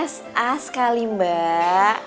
s a sekali mbak